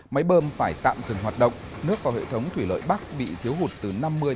máy bơm phải tạm dừng hoạt động nước vào hệ thống thủy lợi bắc bị thiếu hụt từ năm mươi ba mươi